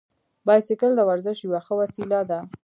بایسکل د ورزش یوه ښه وسیله ده.